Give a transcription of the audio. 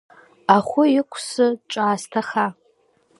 Ахәы иқәссы, дҿаасҭаха.